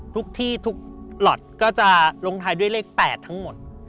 ทุกที่ทุกหลอทก็จะลงท้ายด้วยเลข๘ทั้งหมด